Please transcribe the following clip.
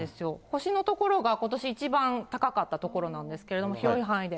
星の所がことし一番高かった所なんですけど、広い範囲で。